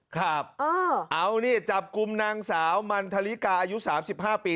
ครับเอานี่จับกลุ่มนางสาวมันธริกาอายุ๓๕ปี